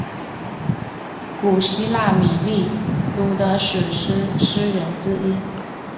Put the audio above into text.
古希腊米利都的史诗诗人之一。